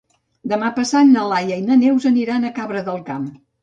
Demà passat na Laia i na Neus aniran a Cabra del Camp.